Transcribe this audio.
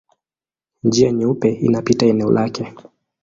Njia Nyeupe inapita eneo lake.